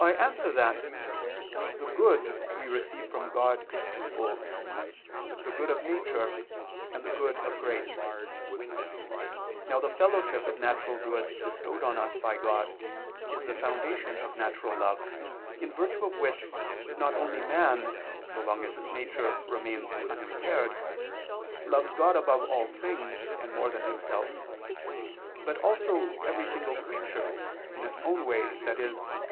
I answer that, The good we receive from God is twofold, the good of nature, and the good of grace. Now the fellowship of natural goods bestowed on us by God is the foundation of natural love, in virtue of which not only man, so long as his nature remains unimpaired, loves God above all things and more than himself, but also every single creature, each in its own way, i.e.